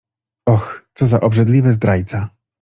Och, co za obrzydliwy zdrajca!